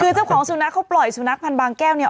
คือเจ้าของสุนัขเขาปล่อยสุนัขพันธ์บางแก้วเนี่ย